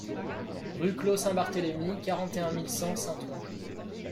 Rue Clos Saint-Barthélémy, quarante et un mille cent Saint-Ouen